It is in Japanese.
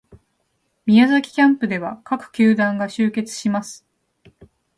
宮崎キャンプでは各球団が集結します